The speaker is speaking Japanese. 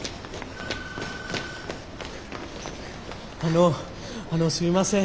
あのあのすいません。